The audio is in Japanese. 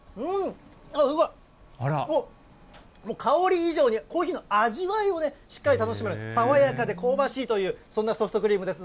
うわっ、もう香り以上に、コーヒーの味わいをね、しっかり楽しめる、爽やかで香ばしいという、そんなソフトクリームです。